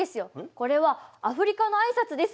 これはアフリカのあいさつです。